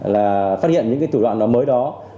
là phát hiện những thủ đoạn mới đó